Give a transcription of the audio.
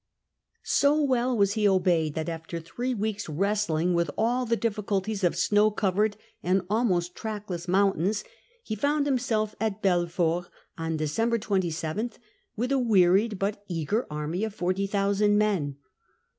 So well was he obeyed that after three weeks' wrestling with all the difficulties of snow covered and almost trackless mountains, he found himself at Belfort on December 27 with a wearied but eager army of 40,000 men.